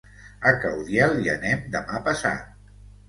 A Caudiel hi anem demà passat.